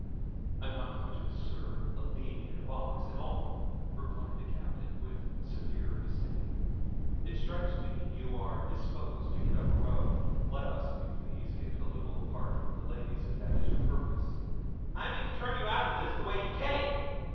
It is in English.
'I'm not conscious, sir, of being in a box at all,' replied the Captain, with severe disdain. 'It strikes me you are disposed to get up a row. Let us, if you please, get a little apart from the ladies if that is your purpose.' 'I mean to turn you out o' this the way ye came.